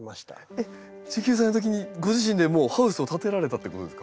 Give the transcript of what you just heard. えっ１９歳の時にご自身でもうハウスを建てられたってことですか？